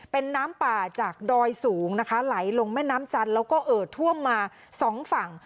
เป็นน้ำป่าจากดอยสูงนะคะไหลลงแม่น้ำจันทร์แล้วก็เอ่อท่วมมาสองฝั่ง